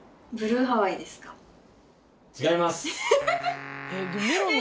違います。